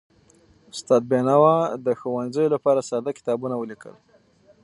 استاد بینوا د ښوونځیو لپاره ساده کتابونه ولیکل.